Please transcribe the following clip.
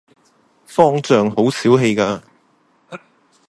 方丈好小氣架